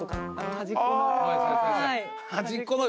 端っこの。